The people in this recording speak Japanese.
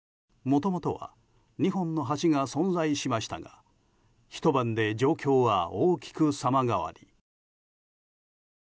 もともとは２本の橋が存在しましたがひと晩で状況は大きく様変わり。